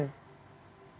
tidak ada kesengajaan